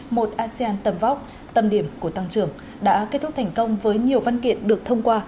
một asean tầm vóc tầm điểm của tăng trưởng đã kết thúc thành công với nhiều văn kiện được thông qua